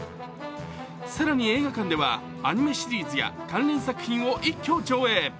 更に映画観ではアニメシリーズや関連作品を一挙上映。